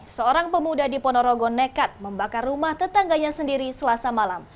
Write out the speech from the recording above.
seorang pemuda di ponorogo nekat membakar rumah tetangganya sendiri selasa malam